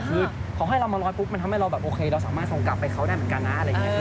คือพอให้เรามาลอยปุ๊บมันทำให้เราแบบโอเคเราสามารถส่งกลับไปเขาได้เหมือนกันนะอะไรอย่างนี้